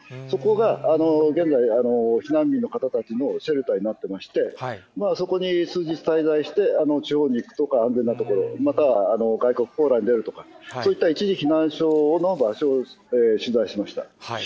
そこが現在、避難民の方たちのシェルターになってまして、そこに数日滞在して、地方に行くとか、安全な所、または外国、ポーランドに出るとか、そういった一時避難所の場所を取材しました。